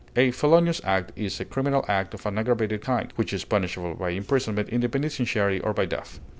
A felonious act is a criminal act of an aggravated kind, which is punishable by imprisonment in the penitentiary or by death.